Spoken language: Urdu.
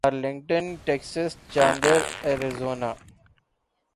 Arlington Texas Chandler Arizona